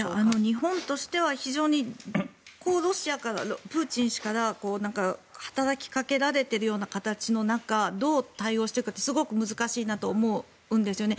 日本としては、非常にロシアから、プーチン氏から働きかけられているような形の中どう対応していくかって非常に難しいなと思うんですよね。